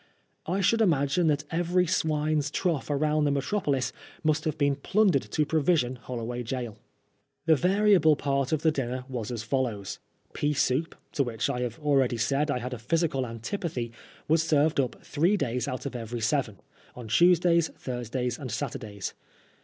I should imagine that every swine's trough around the metropolis must have been plundered to provision HoUoway Gaol. The variable part of the dinner was as follows. Pea soup, to which, as I have already said, I had a physical antipathy, was served up three days out of every seven — on Tuesdays, Thursdays and Satur days.